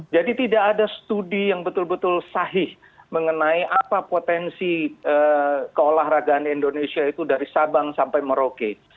tidak ada studi yang betul betul sahih mengenai apa potensi keolahragaan indonesia itu dari sabang sampai merauke